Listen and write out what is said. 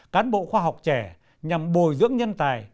cán bộ khoa học trẻ nhằm bồi dưỡng nhân tài